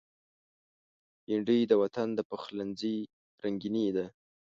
بېنډۍ د وطن د پخلنځي رنگیني ده